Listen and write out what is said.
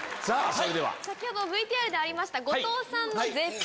先ほどＶＴＲでありました後藤さんの。